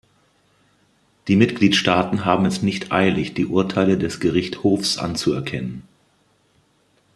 Die Mitgliedstaaten haben es nicht eilig, die Urteile des Gerichthofs anzuerkennen.